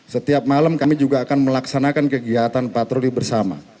setiap malam kami juga akan melaksanakan kegiatan patroli bersama